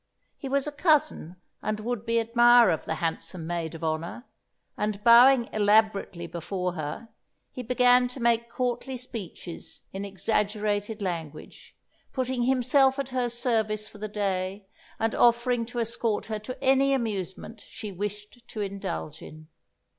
He was a cousin and would be admirer of the handsome Maid of Honour; and bowing elaborately before her, he began to make courtly speeches in exaggerated language, putting himself at her service for the day, and offering to escort her to any amusement she wished to indulge in.